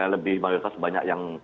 lebih banyak yang